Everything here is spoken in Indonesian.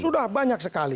sudah banyak sekali